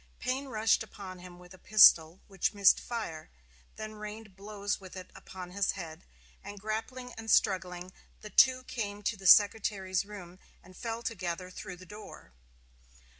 Payne rushed upon him with a pistol which missed fire, then rained blows with it upon his head, and, grappling and struggling, the two came to the Secretary's room and fell together through the door.